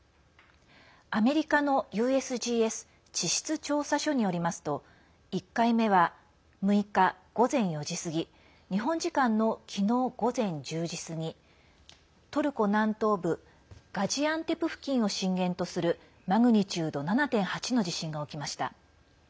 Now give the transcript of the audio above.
アメリカのＵＳＧＳ＝地質調査所によりますと１回目は６日午前４時過ぎ日本時間の昨日午前１０時過ぎトルコ南東部ガジアンテプ付近を震源とするマグニチュード７．８の地震が起きました。